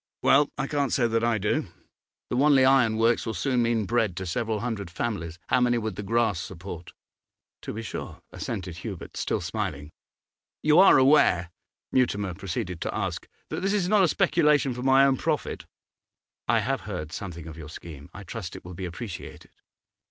'Well, I can't say that I do. The Wanley Iron Works will soon mean bread to several hundred families; how many would the grass support?' 'To be sure,' assented Hubert, still smiling. 'You are aware,' Mutimer proceeded to ask, 'that this is not a speculation for my own profit?' 'I have heard something of your scheme. I trust it will be appreciated.